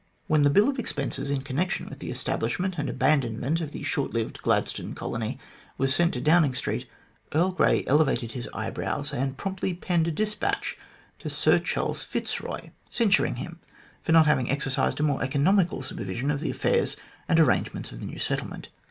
When the bill of expenses in connection with the establish ment and abandonment of the short lived Gladstone Colony was sent to Downing Street, Earl Grey elevated his eyebrows, and promptly penned a despatch to Sir Charles Fitzroy, censuring him for not having exercised a more economical supervision of the affairs and arrangements of the new settlement.